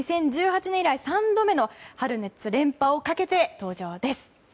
２０１８年以来３度目の春夏連覇をかけて登場です。